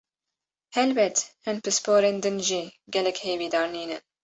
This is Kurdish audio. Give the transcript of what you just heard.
Helbet, hin pisporên din jî gelek hêvîdar nînin.